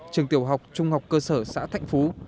trường tiểu học trung học cơ sở xã thạnh phú